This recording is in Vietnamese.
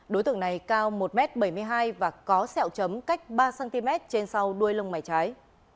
đối tượng này cao một m bảy mươi hai và có sẹo chấm cách ba cm trên sau đuôi lông mái trái